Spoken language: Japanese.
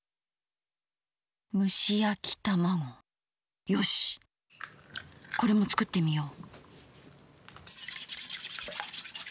むしやきたまごよしこれも作ってみよう。